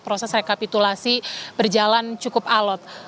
proses rekapitulasi berjalan cukup alot